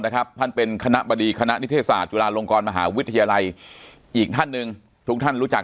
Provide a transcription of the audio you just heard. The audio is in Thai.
ท่านเป็นคณะบดีคณะนิเทศศาสตร์จุฬาลงกรมหาวิทยาลัยอีกท่านหนึ่งทุกท่านรู้จัก